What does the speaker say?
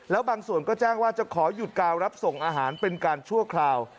แล้วบางส่วนก็แจ้งว่าจะขอหยุดกาวรับส่งอาหารเป็นการชั่วคราว